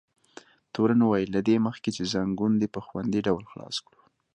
تورن وویل: له دې مخکې چې ځنګون دې په خوندي ډول خلاص کړو.